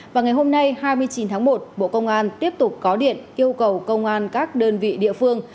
và ngày hôm nay hai mươi chín tháng một bộ công an tiếp tục có điện yêu cầu công an các đơn vị địa phương